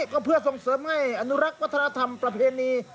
ก็เพื่อส่งเสริมให้อนุรักษ์วัฒนธรรมประเพณี